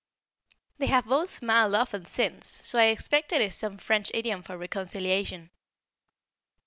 They have both smiled often since so I expect it is some French idiom for reconciliation.